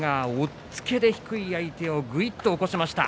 っつけで低い相手をぐいっと起こしました。